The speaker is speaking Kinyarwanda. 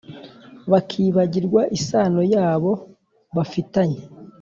Bakibagirwa isano yabo bafitanye